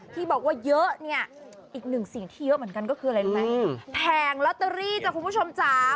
ที่บอกว่าเยอะเนี่ยอีกหนึ่งสิ่งที่เยอะเหมือนกันก็คืออะไรรู้ไหมแผงลอตเตอรี่จ้ะคุณผู้ชมจ๋า